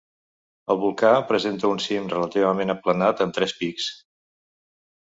El volcà presenta un cim relativament aplanat amb tres pics.